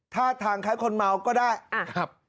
ท่าทางคล้ายคนเมาก็ได้ครับ